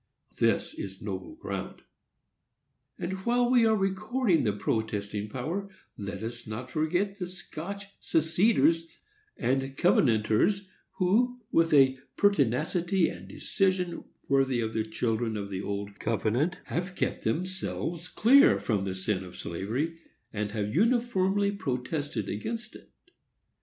This is noble ground. And, while we are recording the protesting power, let us not forget the Scotch seceders and covenanters, who, with a pertinacity and decision worthy of the children of the old covenant, have kept themselves clear from the sin of slavery, and have uniformly protested against it.